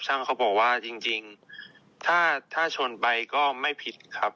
เขาบอกว่าจริงถ้าชนไปก็ไม่ผิดครับ